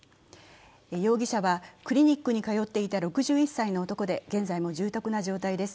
容疑者はクリニックに通っていた６１歳の男で現在も重篤な状態です。